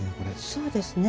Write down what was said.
そうですね。